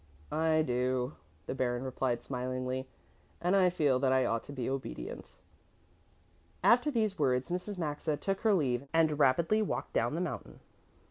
"I do," the Baron replied smilingly, "and I feel that I ought to be obedient." After these words Mrs. Maxa took her leave and rapidly walked down the mountain.